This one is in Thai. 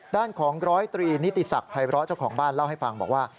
ด้านของ๑๐๓นิติศัพท์ภายล้อเจ้าของบ้านเล่าให้ฟังบอกว่า